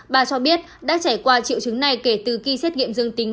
bà cho biết đã trải qua triệu chứng này kể từ khi xét nghiệm dương tính